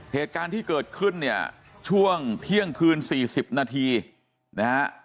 เหตุการณ์ที่เกิดขึ้นเนี่ยช่วงเที่ยงคืน๔๐นาทีนะฮะ